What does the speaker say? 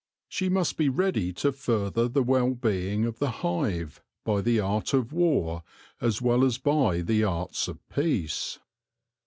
She must be ready to further the well being of the hive by the art of war as well as by the arts of peace.